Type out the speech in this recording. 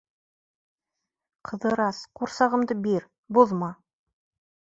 — Ҡыҙырас, ҡурсағымды бир, боҙма!